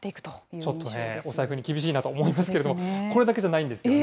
ちょっとお財布に厳しいなと思うんですけど、これだけじゃないんですよね。